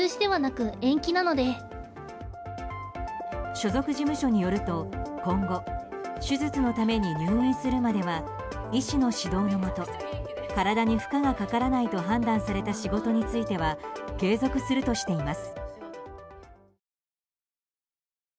所属事務所によると、今後手術のために入院するまでは医師の指導のもと体に負荷がかからないと判断された仕事については継続するとしています。